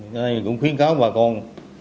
đây cũng khuyến kháo bà con